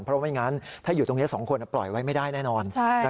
เพราะไม่งั้นถ้าอยู่ตรงนี้๒คนปล่อยไว้ไม่ได้แน่นอน